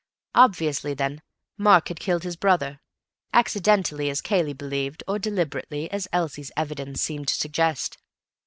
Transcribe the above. Obviously, then, Mark had killed his brother: accidentally, as Cayley believed, or deliberately, as Elsie's evidence seemed to suggest.